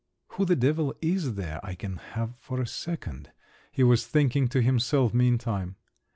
("Who the devil is there I can have for a second?" he was thinking to himself meantime.)